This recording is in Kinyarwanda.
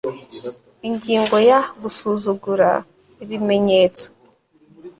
Ingingo ya Gusuzugura ibimenyetso